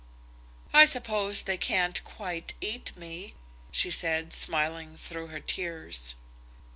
"I suppose they can't quite eat me," she said, smiling through her tears.